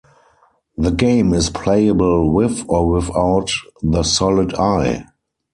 The game is playable with or without the Solid Eye.